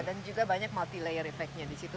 dan juga banyak multi layer efeknya di situ